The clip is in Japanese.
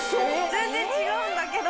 全然違うんだけど。